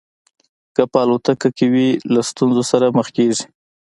که په الوتکه کې وي له ستونزو سره مخ کېږي.